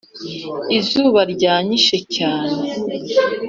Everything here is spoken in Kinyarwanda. Izuba ryanyishe cyane